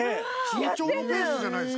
通帳のペースじゃないですか。